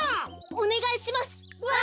おねがいします！